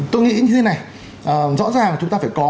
tôi nghĩ như thế này rõ ràng là chúng ta phải có